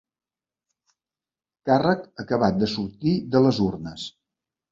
Càrrec acabat de sortir de les urnes.